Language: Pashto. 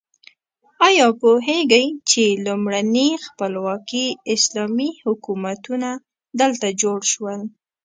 ایا پوهیږئ چې لومړني خپلواکي اسلامي حکومتونه دلته جوړ شول؟